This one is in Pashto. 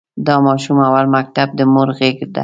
د ماشوم اول مکتب د مور غېږ ده.